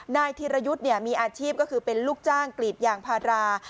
นายธีรยุทธ์มีอาชีพก็คือเป็นลูกจ้างกรีดยางพารา